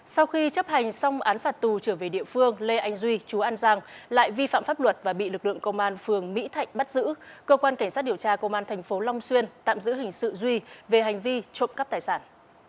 sau khi chấp hành xong án phạt tù trở về địa phương lê anh duy chú an giang lại vi phạm pháp luật và bị lực lượng công an phường mỹ thạnh bắt giữ cơ quan cảnh sát điều tra công an tp long xuyên tạm giữ hình sự duy về hành vi trộm cắp tài sản